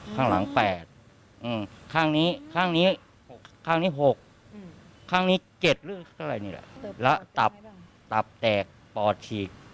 ข้างล่าง๘ข้างล่าง๘ข้างนี้๖ข้างนี้๗หรืออะไรนี่แหละและตับตับแตกปอดฉีก